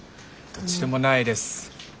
どっちでもないです。